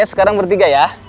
oke sekarang bertiga ya